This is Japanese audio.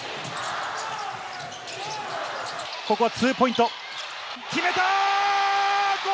ここはツーポイント、決めた！